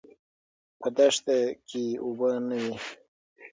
په دښته کې اوبه نه وې.